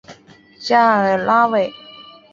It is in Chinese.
加尔拉韦。